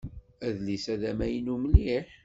Adlis-a d amaynu mliḥ.